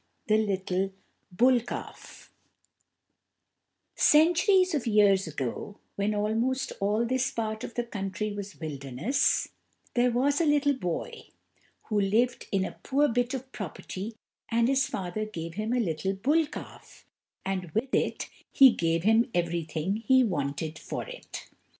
The Little Bull Calf Centuries of years ago, when almost all this part of the country was wilderness, there was a little boy, who lived in a poor bit of property and his father gave him a little bull calf, and with it he gave him everything he wanted for it.